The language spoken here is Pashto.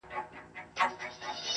هغه به اور له خپلو سترګو پرېولي